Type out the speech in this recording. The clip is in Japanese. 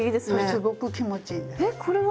すごく気持ちいいです。